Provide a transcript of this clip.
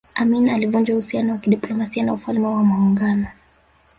Amin alivunja uhusiano wa kidiplomasia na Ufalme wa Maungano